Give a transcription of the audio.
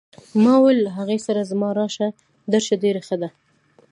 ما وویل له هغې سره زما راشه درشه ډېره ښه ده.